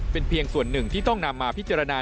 เป็นเพียงส่วนหนึ่งที่ต้องนำมาพิจารณา